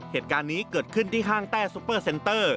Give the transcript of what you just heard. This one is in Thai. เหตุการณ์นี้เกิดขึ้นที่ห้างแต้ซุปเปอร์เซ็นเตอร์